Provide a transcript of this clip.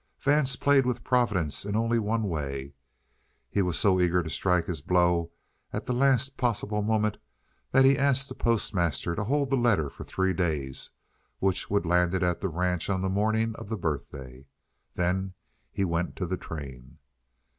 Vance played with Providence in only one way. He was so eager to strike his blow at the last possible moment that he asked the postmaster to hold the letter for three days, which would land it at the ranch on the morning of the birthday. Then he went to the train.